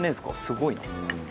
すごいな。